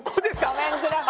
ごめんください。